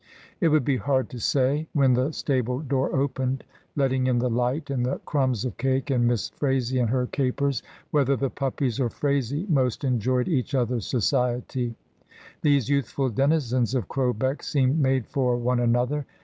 It would be hard to say, when the stable door opened, letting in the light and the crumbs of cake and Miss Phraisie and her capers, whether the puppies or Phraisie most en joyed each other's society; these youthful denizens of Crowbeck seemed made for one another.